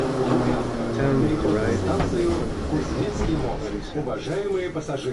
The town is derived from a family name known to early settlers.